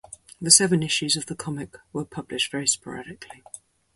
The seven issues of the comic were published very sporadically.